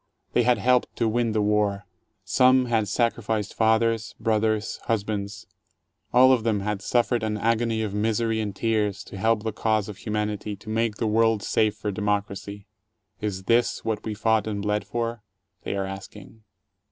They had helped to win the war. Some had sacrificed fathers, brothers, husbands — all of them had suffered an agony of misery and tears, to help the cause of humanity, to make the world safe for democracy. Is this what we fought and bled for? they are asking.